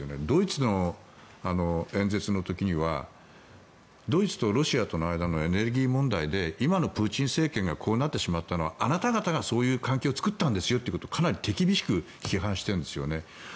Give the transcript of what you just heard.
ドイツの演説の時にはドイツとロシアとの間のエネルギー問題で今のプーチン政権がこうなってしまったのはあなた方がそういう関係を作ったんですよということをかなり手厳しく批判しているんですよね。